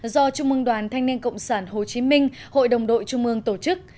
do trung mương đoàn thanh niên cộng sản hồ chí minh hội đồng đội trung mương tổ chức